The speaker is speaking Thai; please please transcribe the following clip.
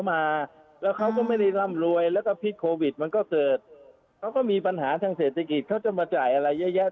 ค่ารถไม่รวมค่าตัวมีค่าตัวคือแปลว่าอะไรคะไม่มีค่าตัวฉันจะเอาที่ไหนไปจ่ายค่าตัว